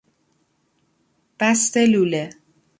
بست لوله